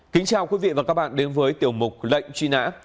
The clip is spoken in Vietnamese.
kính chào quý vị và các bạn đến với tiểu mục lệnh truy nã